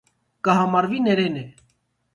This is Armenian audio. Կը համարուի ներէն է։